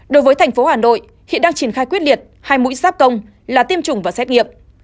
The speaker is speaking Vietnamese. đối với thành phố hà nội hiện đang triển khai quyết liệt hai mũi giáp công là tiêm chủng và xét nghiệm